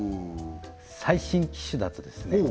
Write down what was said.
最新機種だとですね